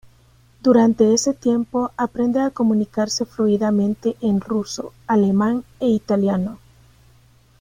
Durante ese tiempo aprende a comunicarse fluidamente en ruso, alemán e italiano.